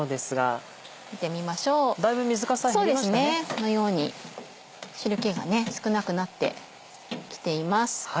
このように汁気が少なくなってきています。